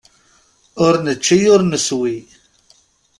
Ur nečči ur neswi.